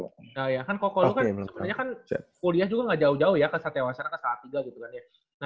nah iya kan koko lu kan sebenernya kan kuliah juga ga jauh jauh ya ke satya wacana ke satya wacana gitu kan ya